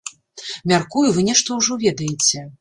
Мяркую, вы нешта ўжо ведаеце.